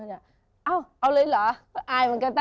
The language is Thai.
ในไหนมาถึงบ้านแล้วเอาก็เอา